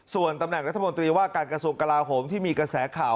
ส่วนตำแหน่งรัฐมนตรีว่าการกระทรวงกลาโหมที่มีกระแสข่าว